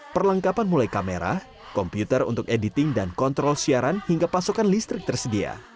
perlengkapan mulai kamera komputer untuk editing dan kontrol siaran hingga pasokan listrik tersedia